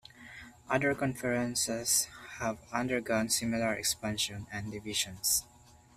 Other conferences have undergone similar expansion and division.